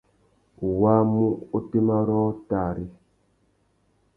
U wāmú otémá rôō tari ?